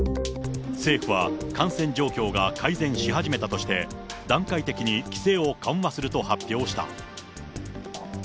政府は感染状況が改善し始めたとして、段階的に規制を緩和すると発表した。